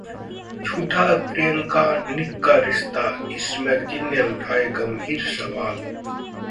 'झूठा है प्रियंका-निक का रिश्ता', इस मैगजीन ने उठाए गंभीर सवाल